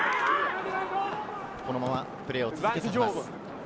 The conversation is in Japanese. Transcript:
このままプレーを続けさせます。